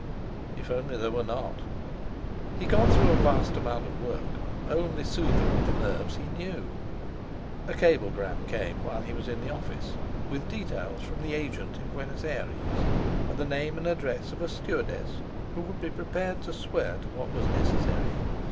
If only there were not! He got through a vast amount of work, only soother of the nerves he knew. A cablegram came while he was in the office with details from the agent in Buenos Aires, and the name and address of a stewardess who would be prepared to swear to what was necessary.